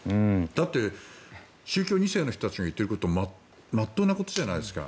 だって、宗教２世の人たちが言っているのはまっとうなことじゃないですか。